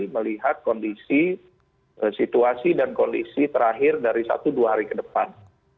melihat kondisi situasi dan kondisi terakhir dari satu dua hari ke depan